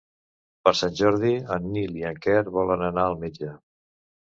Per Sant Jordi en Nil i en Quer volen anar al metge.